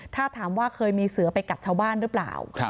ถ้าถามว่าเคยมีเสือไปกัดชาวบ้านหรือเปล่า